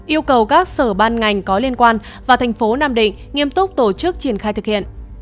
yêu cầu các sở ban ngành có liên quan và thành phố nam định nghiêm túc tổ chức triển khai thực hiện